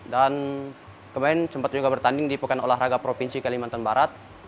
dan kemaren sempat juga bertanding di pkn olahraga provinsi kalimantan barat